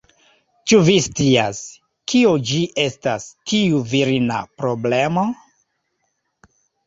Ĉu vi scias, kio ĝi estas, tiu virina problemo?